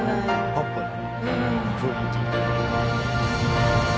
ポップなね雰囲気。